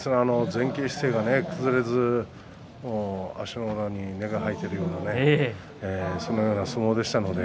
前傾姿勢が崩れず足の裏に根が生えているようなそんな相撲でした。